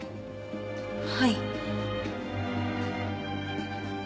はい。